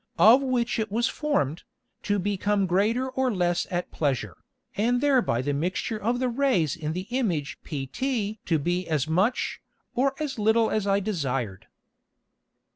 of which it was formed, to become greater or less at pleasure, and thereby the Mixture of the Rays in the Image pt to be as much, or as little as I desired.